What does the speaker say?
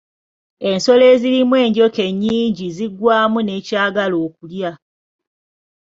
Ensolo ezirimu enjoka ennyingi ziggwamu n’ekyagala okulya.